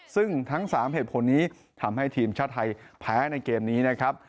ซึ่งทั้ง๓เหตุผลนี้ทำให้ทีมชาติไทยแพ้ในเกมนี้นะครับ